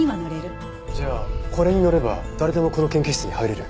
じゃあこれに乗れば誰でもこの研究室に入れる？